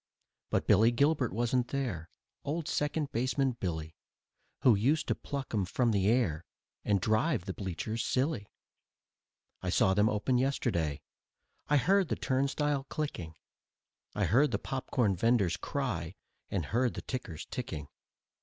But Billy Gilbert wasn't there, Old Second Baseman Billy, Who used to pluck 'em from the air And drive the bleachers silly. I saw them open yesterday, I heard the turnstile clicking; I heard the popcorn venders' cry and heard the tickers ticking.